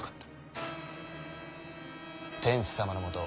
天子様のもと